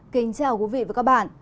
kính chào quý vị và các bạn